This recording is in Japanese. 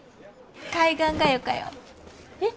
海岸がよかよ。え？